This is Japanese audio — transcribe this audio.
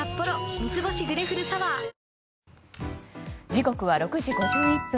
時刻は６時５１分。